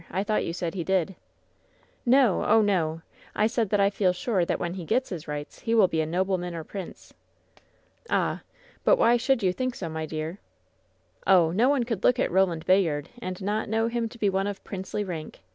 I thought you said he did." "l!^o; oh, no! I said that I feel sure that when he gets his rights, he will be a nobleman or a prince!" "Ah! but why should you think so, my dear!" "Oh! no one could look at Eoland Bayard and not know him to be one of princely rank